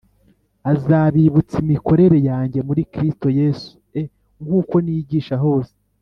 Azabibutsa imikorere yanjye muri Kristo Yesu e nk uko nigisha hose